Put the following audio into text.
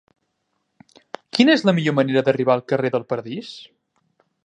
Quina és la millor manera d'arribar al carrer del Paradís?